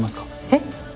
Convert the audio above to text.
えっ？